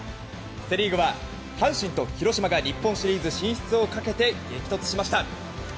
セ・リーグは阪神と広島が日本シリーズ進出をかけて激突しました。